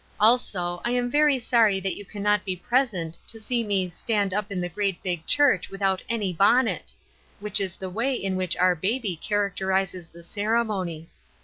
Also, I am very sorry that you can not be present to see me ' stand up in the great big church without any bonnet !' which is the way in which our baby characterizes the ceremony.